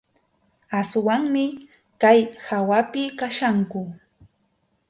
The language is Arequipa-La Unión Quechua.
Aswanmi kay hawapi kachkanku.